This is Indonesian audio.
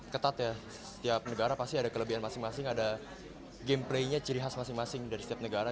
ketat ya setiap negara pasti ada kelebihan masing masing ada game play nya ciri khas masing masing dari setiap negara